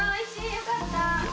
よかった。